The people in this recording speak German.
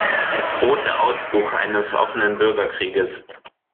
Es droht der Ausbruch eines offenen Bürgerkrieges.